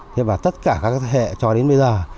thế và tất cả các thế hệ cho đến bây giờ